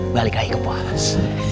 balik lagi ke puas